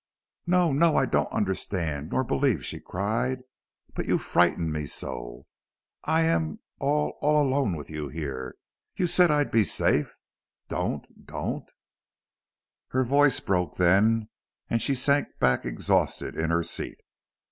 "No no I don't understand nor believe!" she cried. "But you frighten me so! I am all all alone with you here. You said I'd be safe. Don't don't " Her voice broke then and she sank back exhausted in her seat.